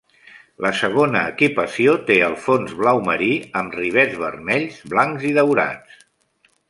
La segona equipació té el fons blau marí, amb rivets vermells, blancs i daurats.